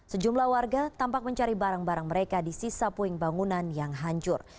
sejumlah warga tampak mencari barang barang mereka di sisa puing bangunan yang hancur